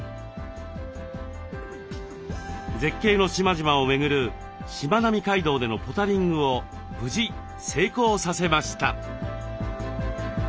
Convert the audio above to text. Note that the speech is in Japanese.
絶景の島々を巡るしまなみ海道でのポタリングを無事成功させました。